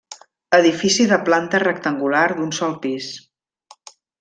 Edifici de planta rectangular d'un sol pis.